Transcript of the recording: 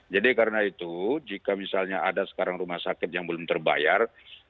jadi karena itu jika misalnya ada sekarang rumah sakit yang belum terbayar